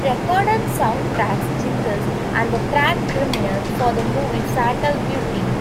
She recorded soundtracks, jingles, and the track "Criminal", for the movie "Fatal Beauty".